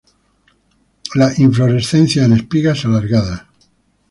Las inflorescencias en espigas alargadas.